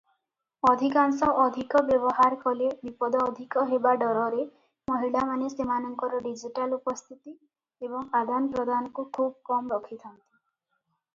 ଅଧିକାଂଶ ଅଧିକ ବ୍ୟବହାର କଲେ ବିପଦ ଅଧିକ ହେବା ଡରରେ ମହିଳାମାନେ ସେମାନଙ୍କର ଡିଜିଟାଲ ଉପସ୍ଥିତି ଏବଂ ଆଦାନପ୍ରଦାନକୁ ଖୁବ କମ ରଖିଥାନ୍ତି ।